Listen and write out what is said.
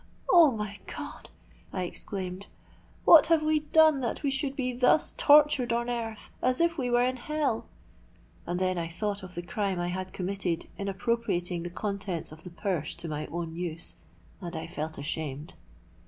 'Oh! my God!' I exclaimed; 'what have we done that we should be thus tortured on earth, as if we were in hell?'—and then I thought of the crime I had committed in appropriating the contents of the purse to my own use—and I felt ashamed.